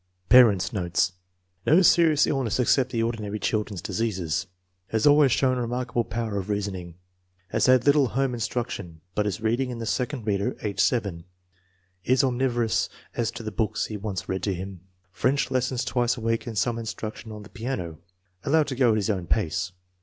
Parents 9 notes. No serious illness except the ordi nary children's diseases. Has always shown remark able power of reasoning. Has had little home instruc tion, but is reading in the second reader (age 7). Is omnivorous as to the books he wants read to him. French lessons twice a week and some instruction on the piano. Allowed to go his own pace.